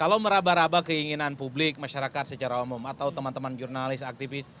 kalau meraba raba keinginan publik masyarakat secara umum atau teman teman jurnalis aktivis